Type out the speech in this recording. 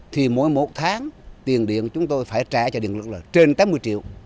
thì mỗi một tháng tiền điện chúng tôi phải trả cho điện lượng là trên tám mươi triệu